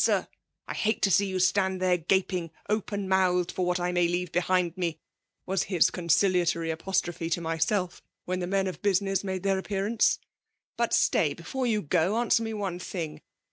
Sir !. I hate to see you stand there gaping, open mouthed» for what I may leave behind me !' was his conciliatory apostrophe to myself when the men of business made their appearance. ' But stay !— ^before you go, ~ answer me one thing